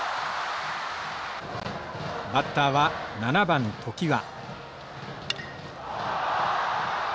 バッターは７番常盤。